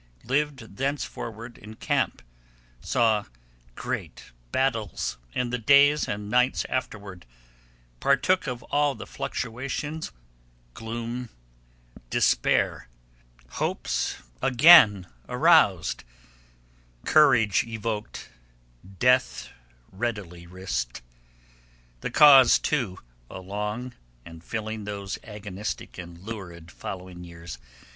. lived thenceforward in camp saw great battles and the days and nights afterward partook of all the fluctuations, gloom, despair, hopes again arous'd, courage evoked death readily risk'd the cause, too along and filling those agonistic and lurid following years